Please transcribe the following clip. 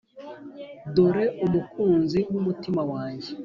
Dore umukunzi wumutima wanjye